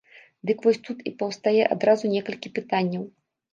Дык вось тут і паўстае адразу некалькі пытанняў.